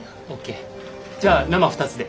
じゃあ生２つで。